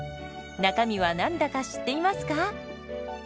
中身は何だか知っていますか？